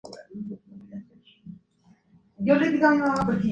Se encuentra localizada en la costa sur del río San Lorenzo.